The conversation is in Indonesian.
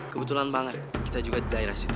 kebetulan banget kita juga di daerah situ